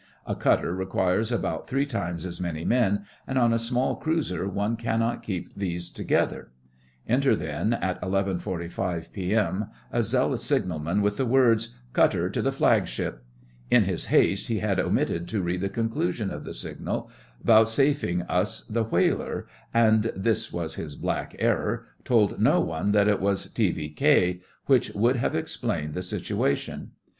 A cutter requires about three times as many men, and on a small cruiser one cannot keep these together. Enter, then, at 11:45 p.m., a zealous signalman with the words: 'Cutter to the Flagship.' In his haste he had omitted to read the conclusion of the signal vouchsafing us the whaler, and (this was his black error) told no one that it was 'T.V.K.,' which would have explained the situation.